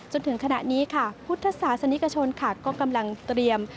จนถึงขณะนี้ค่ะพุทธศาสนิกชนค่ะก็กำลังเตรียม